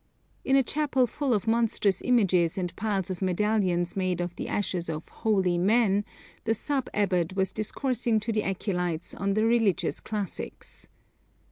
In a chapel full of monstrous images and piles of medallions made of the ashes of 'holy' men, the sub abbot was discoursing to the acolytes on the religious classics.